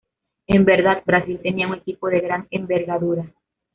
En verdad, Brasil tenía un equipo de gran envergadura.